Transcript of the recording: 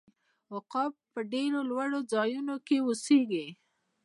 عقاب په ډیرو لوړو ځایونو کې اوسیږي